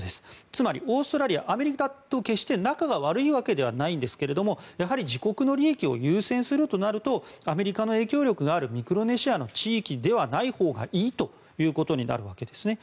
つまり、オーストラリアアメリカと決して仲が悪いわけではないんですがやはり自国の利益を優先するとなるとアメリカの影響力があるミクロネシアの地域ではないほうがいいということになるわけですね。